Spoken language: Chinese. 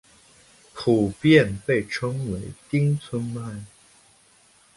普遍被称为町村派。